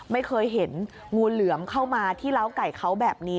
ไม่เคยเห็นงูเหลือมเข้ามาที่เล้าไก่เขาแบบนี้